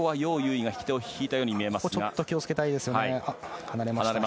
ここちょっと気を付けたいですね。